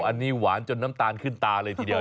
อันนี้หวานจนน้ำตาลขึ้นตาเลยทีเดียว